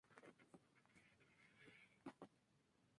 Así como colaboraciones con varios artistas.